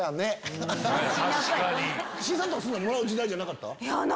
岸井さんとかもらう時代じゃなかった？